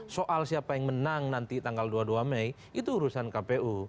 soal siapa yang menang nanti tanggal dua puluh dua mei itu urusan kpu